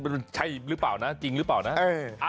เทียบใช่รึเปล่านะจริงหรือเปล่านะ